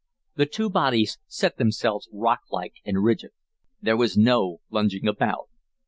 The two bodies set themselves rocklike and rigid. There was no lunging about.